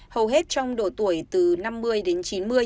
hầu hết trong độ tuổi từ năm mươi đến chín mươi